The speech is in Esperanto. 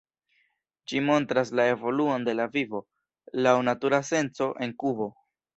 Ĝi montras la evoluon de la vivo, laŭ natura senco, en Kubo.